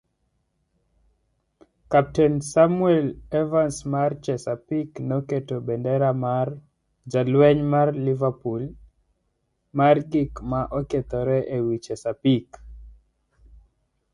Captain Samuel Evans of "Chesapeake" put "Liverpool Hero"s cargo of dry goods on "Chesapeake".